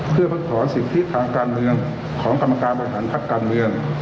เพื่อเพิกถอนสิทธิทางการเมืองของกรรมการบริหารพักการเมือง